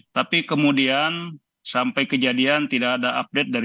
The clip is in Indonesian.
tapi kemudian sampai kejadian tidak ada update dari